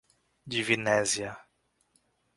Divinésia